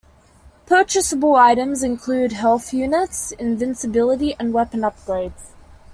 Purchasable items include health units, invincibility, and weapon upgrades.